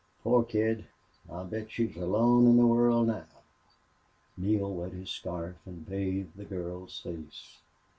"Poor kid! I'll bet she's alone in the world now." Neale wet his scarf and bathed the girl's face.